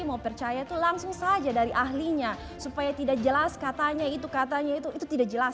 mau percaya itu langsung saja dari ahlinya supaya tidak jelas katanya itu katanya itu tidak jelas